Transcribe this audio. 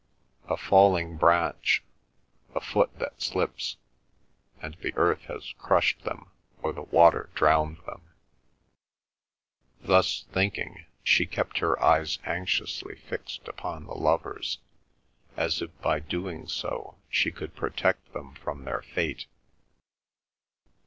A falling branch, a foot that slips, and the earth has crushed them or the water drowned them. Thus thinking, she kept her eyes anxiously fixed upon the lovers, as if by doing so she could protect them from their fate.